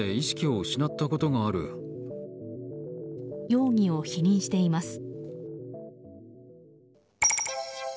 容疑を否認しています。